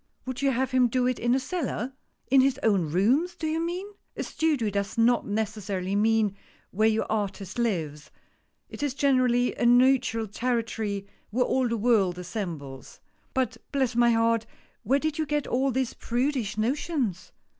Would you have him do it in a cellar? " "In his own rooms, do you mean? " "A studio does not necessarily mean where your artist lives ; it is generally a neutral territory where all the world assembles. But bless my heart, where did you get all these prudish notions